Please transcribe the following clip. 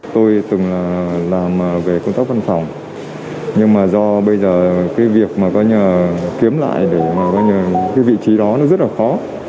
tôi từng làm về công tác văn phòng nhưng do bây giờ việc kiếm lại vị trí đó rất khó